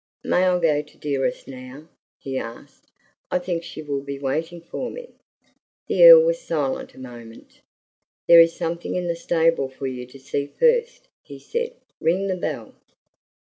"May I go to Dearest now?" he asked. "I think she will be waiting for me." The Earl was silent a moment. "There is something in the stable for you to see first," he said. "Ring the bell."